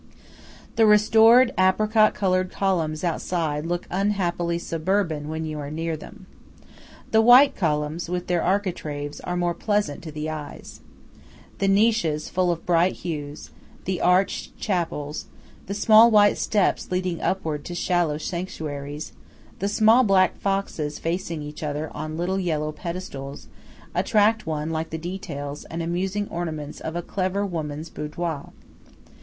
The restored apricot colored columns outside look unhappily suburban when you are near them. The white columns with their architraves are more pleasant to the eyes. The niches full of bright hues, the arched chapels, the small white steps leading upward to shallow sanctuaries, the small black foxes facing each other on little yellow pedestals attract one like the details and amusing ornaments of a clever woman's boudoir.